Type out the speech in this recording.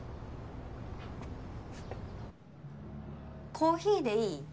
コーヒーでいい？